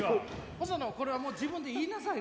ホソノこれはもう自分で言いなさい。